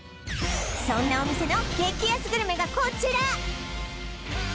そんなお店の激安グルメがこちら！